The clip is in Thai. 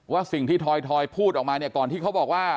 สิ่งที่ทอยพูดออกมาเนี่ยก่อนที่เขาบอกว่า